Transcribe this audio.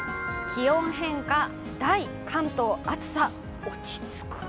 気温変化大、関東暑さ落ち着く。